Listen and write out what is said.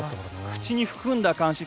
口に含んだ感じ